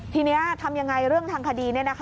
ทีนี้ทำยังไงเรื่องทางคดี